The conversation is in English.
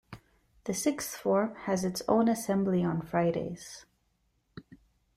The Sixth Form has its own assembly on Fridays.